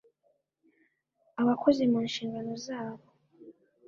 abakozi mu nshingano zabo